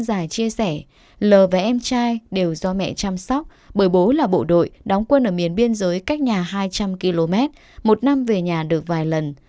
ông già chia sẻ lờ và em trai đều do mẹ chăm sóc bởi bố là bộ đội đóng quân ở miền biên giới cách nhà hai trăm linh km một năm về nhà được vài lần